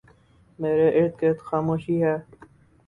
میرے اردگرد خاموشی ہے ۔